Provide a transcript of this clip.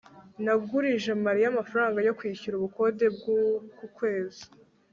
nagurije mariya amafaranga yo kwishyura ubukode bw'uku kwezi